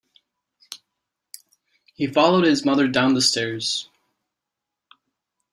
He followed his mother down the stairs.